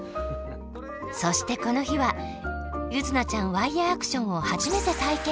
そしてこの日は柚凪ちゃんワイヤーアクションをはじめて体験。